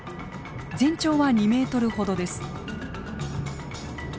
全長は２ｍほどです。